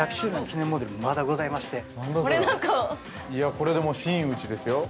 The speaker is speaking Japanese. ◆これで、もう真打ですよ。